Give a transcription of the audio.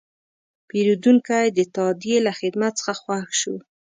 پیرودونکی د تادیې له خدمت څخه خوښ شو.